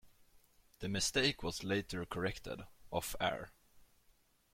The mistake was later corrected, off-air.